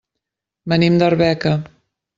Venim d'Arbeca.